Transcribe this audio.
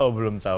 oh belum tahu